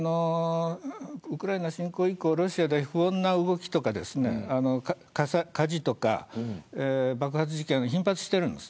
ウクライナ侵攻以降ロシアで不穏な動きや火事とか爆発事件が頻発してるんです。